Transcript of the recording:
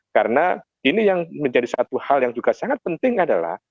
karena ini yang menjadi satu hal yang juga sangat penting adalah